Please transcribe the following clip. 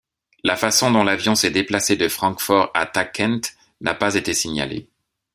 La façon dont l'avion s'est déplacé de Francfort à Tachkent n'a pas été signalée.